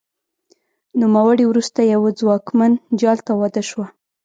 نوموړې وروسته یوه ځواکمن جال ته واده شوه